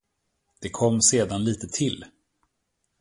Det kom sedan litet till.